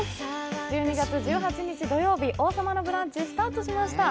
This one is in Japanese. １２月１８日土曜日、「王様のブランチ」スタートしました。